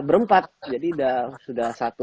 berempat jadi sudah satu